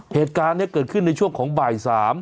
เหตุการณ์นี้เกิดขึ้นในช่วงของบ่าย๓